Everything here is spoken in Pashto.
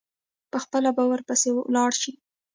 پخپله به ورپسي ولاړ شي.